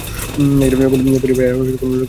প্যারির কোনো লোকই বাইরে আর আমার অস্তিত্ব পেত না।